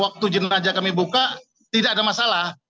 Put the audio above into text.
waktu jenajah kami buka tidak ada masalah